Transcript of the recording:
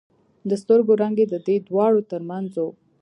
د سترګو رنگ يې د دې دواړو تر منځ و.